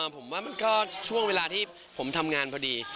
ผมว่ามันก็ช่วงเวลาที่ผมทำงานพอดี